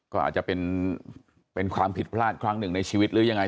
ก็อาจจะเป็นความผิดพลาดครั้งหนึ่งในชีวิตหรือยังไง